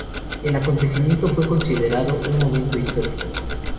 El acontecimiento fue considerado un momento histórico.